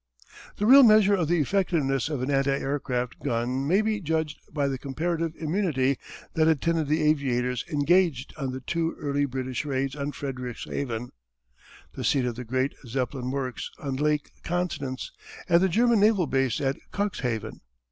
The real measure of the effectiveness of anti aircraft guns may be judged by the comparative immunity that attended the aviators engaged on the two early British raids on Friedrichshaven, the seat of the great Zeppelin works on Lake Constance, and on the German naval base at Cuxhaven.